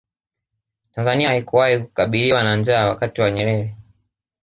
tanzania haikuwahi kukabiliwa na njaa wakati wa nyerere